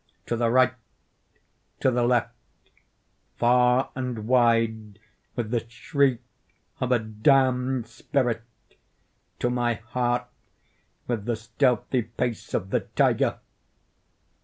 To the right—to the left—far and wide—with the shriek of a damned spirit! to my heart with the stealthy pace of the tiger!